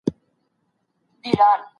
په آنلاین زده کړو کي ویډیوګاني کتل کېږي.